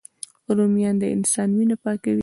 رومیان د انسان وینه پاکوي